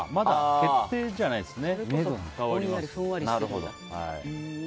決定じゃないんですね。